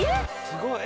すごい。